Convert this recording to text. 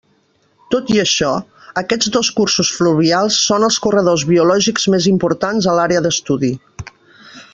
Tot i això, aquests dos cursos fluvials són els corredors biològics més importants a l'àrea d'estudi.